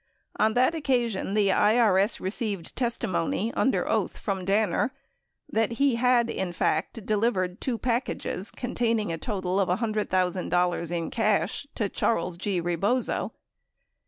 On that occasion, the IRS received testimony under oath from Danner that he had, in fact, delivered two packages containing a total of $100,000 in cash to Charles G. Rebozo.